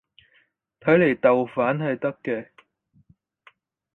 睇嚟豆瓣係得嘅